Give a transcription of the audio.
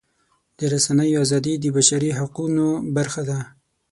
د رسنیو ازادي د بشري حقونو برخه ده.